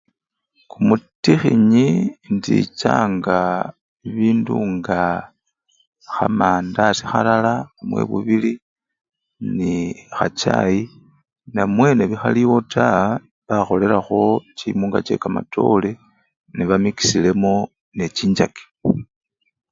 Kumutikhinyi indichanga bibindu nga khamandasi khalala namwe bubili nekhachayi namwe nebikhaliwo taa, bakholelakho chimunga chekamatole nebamikisilemo nechinchaki.